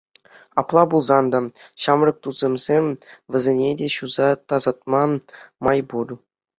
Апла пулсан та, ҫамрӑк тусӑмсем, вӗсене те ҫуса тасатма май пур.